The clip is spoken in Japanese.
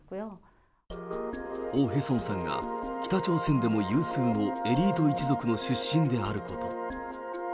オ・ヘソンさんが北朝鮮でも有数のエリート一族の出身であること。